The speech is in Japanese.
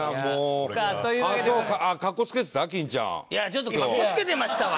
ちょっとかっこつけてましたわ。